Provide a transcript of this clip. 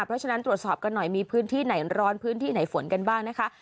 เพราะฉะนั้นตรวจสอบกันหน่อยมีพื้นที่ไหนร้อนพื้นที่ไหนฝนกันบ้างนะคะ